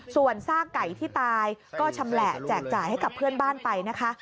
ส่วนซากไก่ที่ตายก็ชำแหละแจกจ่ายให้กับเพื่อนบ้านไปนะคะ